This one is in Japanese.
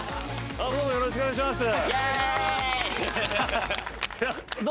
よろしくお願いします。